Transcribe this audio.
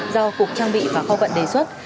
do cục trang bị và kho vận đề xuất